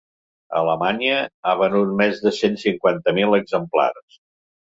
A Alemanya ha venut més de cent cinquanta mil exemplars.